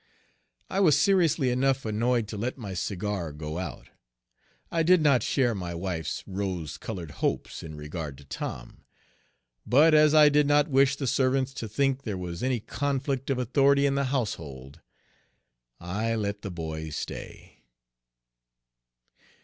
I was seriously enough annoyed to let my cigar go out. I did not share my wife's rose colored hopes in regard to Tom; but as I did not wish the servants to think there was any conflict of authority in the household, I let the boy stay.